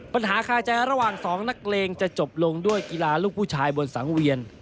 คาใจระหว่างสองนักเลงจะจบลงด้วยกีฬาลูกผู้ชายบนสังเวียน